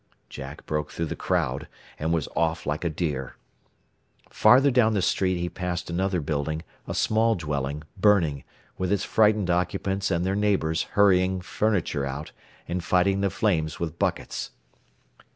Jack broke through the crowd, and was off like a deer. Farther down the street he passed another building, a small dwelling, burning, with its frightened occupants and their neighbors hurrying furniture out, and fighting the flames with buckets.